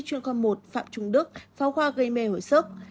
một phạm trung đức pháo qua gây mê hồi sức